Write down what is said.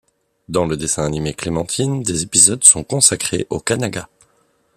Dans le dessin-animé Clémentine des épisodes sont consacrés au Kanaga.